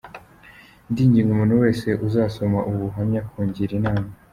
Ndinginga umuntu wese uzasoma ubu buhamya kungira inama .